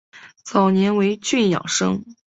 早年为郡庠生。